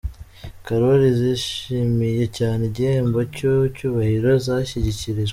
Korali zishimiye cyane igihembo cy'icyubahiro zashyikirijwe.